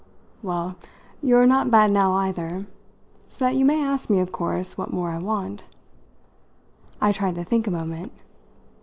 Well, you're not bad now, either; so that you may ask me, of course, what more I want." I tried to think a moment.